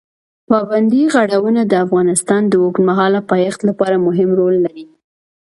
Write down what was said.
پابندی غرونه د افغانستان د اوږدمهاله پایښت لپاره مهم رول لري.